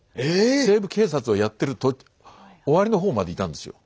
「西部警察」をやってる終わりの方までいたんですよ。